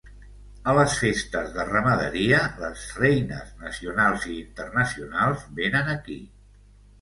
A les festes de Ramaderia les reines nacionals i internacionals vénen aquí.